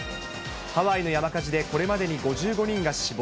ハワイの山火事でこれまでに５５人が死亡。